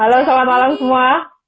halo selamat malam semua